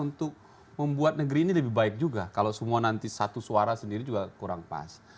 untuk membuat negeri ini lebih baik juga kalau semua nanti satu suara sendiri juga kurang pas